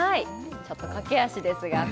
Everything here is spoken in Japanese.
ちょっと駆け足ですがね